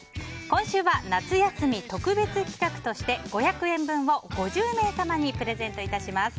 今週は夏休み特別企画として５００円分を５０名様にプレゼントします。